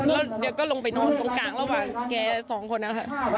แล้วแกก็ลงไปนอนตรงกลางระหว่างแกสองคนนะคะ